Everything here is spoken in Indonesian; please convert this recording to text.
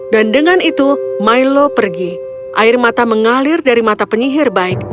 dan dengan itu milo pergi air mata mengalir dari mata penyihir baik